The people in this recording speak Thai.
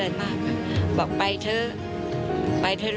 อันดับ๖๓๕จัดใช้วิจิตร